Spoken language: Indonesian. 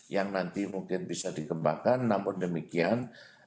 yang nanti mungkin bisa dikembangkan namun demikian